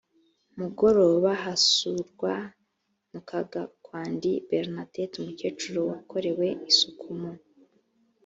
mugoroba hasurwa mukagakwandi bernadette umukecuru wakorewe isuku mu